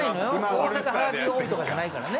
大阪、ハガキが多いとかじゃないからね。